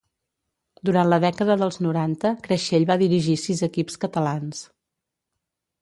Durant la dècada dels noranta, Creixell va dirigir sis equips catalans.